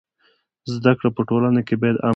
زده کړه په ټولنه کي بايد عامه سي.